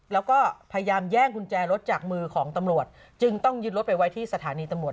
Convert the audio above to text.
แล้วก็พยายามแย่งกุญแจรถจากมือของตำรวจจึงต้องยึดรถไปไว้ที่สถานีตำรวจ